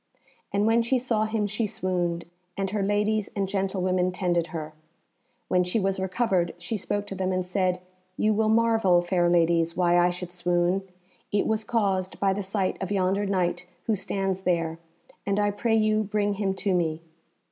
And when she saw him she swooned, and her ladies and gentlewomen tended her. When she was recovered, she spoke to them and said, "You will marvel, fair ladies, why I should swoon. It was caused by the sight of yonder Knight who stands there, and I pray you bring him to me."